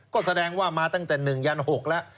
ก็แสดงว่ามาตั้งแต่๑ยัน๖แล้ว